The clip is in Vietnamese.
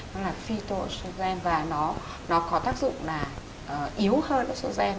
nó là phytoestrogen và nó có tác dụng là yếu hơn estrogen